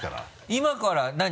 今から何？